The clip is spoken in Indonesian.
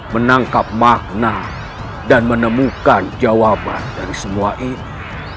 menangkap makna dan menemukan jawaban dari semua ini